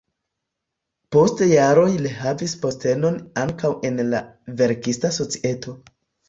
Post jaroj li havis postenon ankaŭ en la verkista societo.